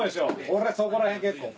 俺そこらへん結構。